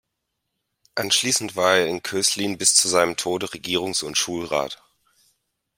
Anschließend war er in Köslin bis zu seinem Tode Regierungs- und Schulrat.